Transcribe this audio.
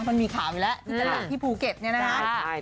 มันมีข่าวอยู่แล้วที่ภูเก็ตเนี่ยนะครับ